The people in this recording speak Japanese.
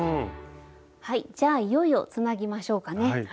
はいじゃあいよいよつなぎましょうかね。